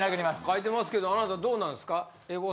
書いてますけどあなたどうなんですか？